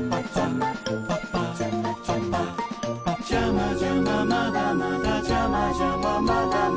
「ジャマジャマまだまだジャマジャマまだまだ」